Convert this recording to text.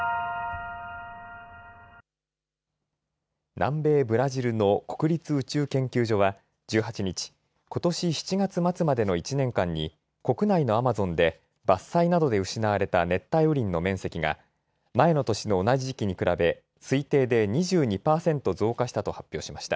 南米ブラジルの国立宇宙研究所は１８日、ことし７月末までの１年間に国内のアマゾンで伐採などで失われた熱帯雨林の面積が前の年の同じ時期に比べ推定で２２％増加したと発表しました。